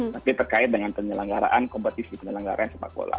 tapi terkait dengan penyelenggaraan kompetisi penyelenggaran sepak bola